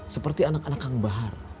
seperti anak anak hang bahar